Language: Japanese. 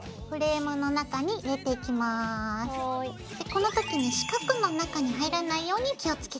この時に四角の中に入らないように気を付けて。